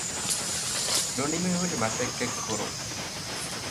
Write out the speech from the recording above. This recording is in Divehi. ނުނިމިހުރި މަސައްކަތްކުރުން